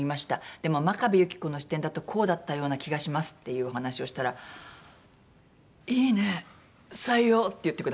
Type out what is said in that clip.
「でも真壁有希子の視点だとこうだったような気がします」っていうお話をしたら「いいね。採用」って言ってくださったの。